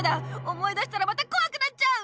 思い出したらまたこわくなっちゃう！